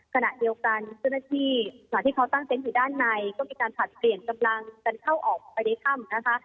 เจ้าหน้าที่ตั้งเซ็นต์อยู่ด้านในก็มีการผลัดเปลี่ยนกำลังกันเข้าออกไปในถ้ำนะคะ